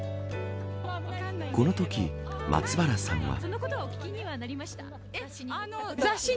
このとき、松原さんは。